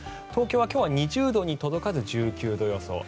東京は今日は２０度に届かず１９度予想。